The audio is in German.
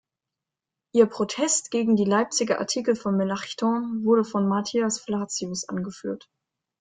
Ihr Protest gegen die Leipziger Artikel von Melanchthon wurde von Matthias Flacius angeführt.